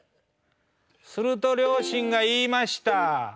すると両親が言いました。